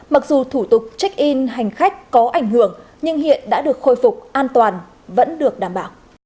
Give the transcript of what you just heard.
mặc dù thủ tục check in hành khách có ảnh hưởng nhưng hiện đã được khôi phục an toàn vẫn được đảm bảo